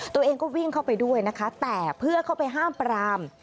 ตัวเองก็วิ่งเข้าไปด้วยนะคะแต่เพื่อเข้าไปห้ามปราม